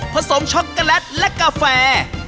สมช็อกโกแลตและกาแฟ